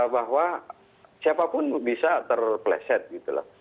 bahwa siapapun bisa terpleset gitu loh